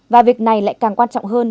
và việc này lại càng quan trọng hơn